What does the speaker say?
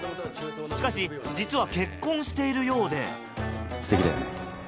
しかし実は結婚しているようでステキだよね。